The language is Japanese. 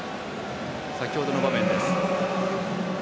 先ほどの場面です。